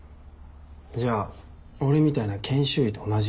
じゃあ俺みたいな研修医と同じ。